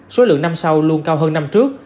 số lượng năm sau luôn cao hơn năm trước